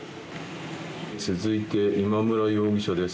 続いて、今村容疑者です。